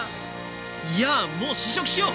いやもう試食しよ！